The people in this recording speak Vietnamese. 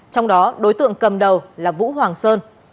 trong đó đối tượng cầm đầu là vũ hoàng sơn